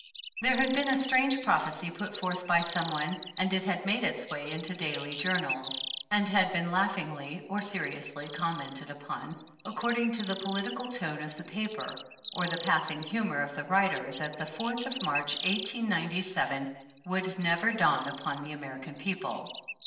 There had been a strange prophecy put forth by some one, and it had made its waydnto the daily jour nals, and had been laughingly or seriously com mented upon, according to the political tone of the paper, or the passing humor of the writer, that the 4th of March, 1897, would never dawn upon the American people.